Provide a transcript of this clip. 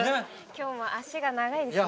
今日も足が長いですね。